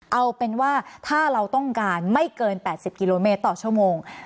เอาเป็นว่าถ้าเราต้องการไม่เกิน๘๐กิโลเมตรต่อชั่วโมง